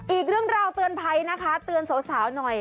อีกเรื่องราวเตือนภัยนะคะเตือนสาวหน่อย